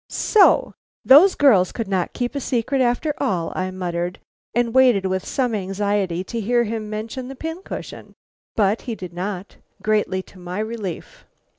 "So! those girls could not keep a secret after all," I muttered; and waited with some anxiety to hear him mention the pin cushion; but he did not, greatly to my relief.